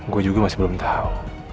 gue juga masih belum tahu